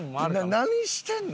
何してんの？